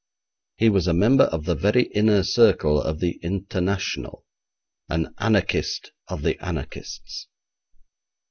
He was a member of the very inner circle of the International, an anarchist of the anarchists.